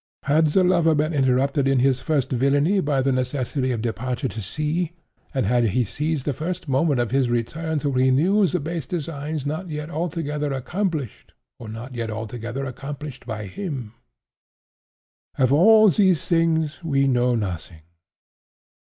Had the lover been interrupted in his first villany by the necessity of departure to sea, and had he seized the first moment of his return to renew the base designs not yet altogether accomplished—or not yet altogether accomplished by him? Of all these things we know nothing.